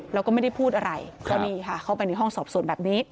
แล้วก็ไม่ได้พูดอะไรก็นี่ค่ะเข้าไปในห้องสอบส่วนแบบนี้